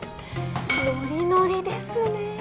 ノリノリですね。